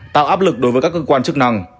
tạo áp lực đối với các cơ quan chức năng